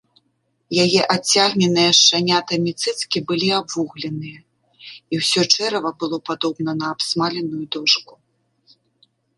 Яе адцягненыя шчанятамі цыцкі былі абвугленыя, і ўсё чэрава было падобна на абсмаленую дошку.